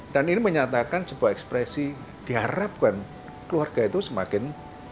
dan ini menyatakan sebuah ekspresi diharapkan keluarga itu semakin